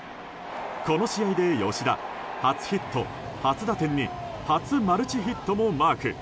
この試合で吉田、初ヒット初打点に初マルチヒットをマーク。